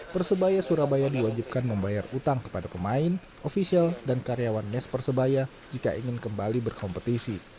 persebaya surabaya diwajibkan membayar utang kepada pemain ofisial dan karyawan mes persebaya jika ingin kembali berkompetisi